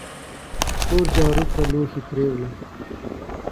کور جارو کړه لوښي پریوله !